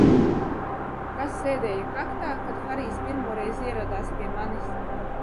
Kas sēdēja kaktā, kad Harijs pirmoreiz ieradās pie manis?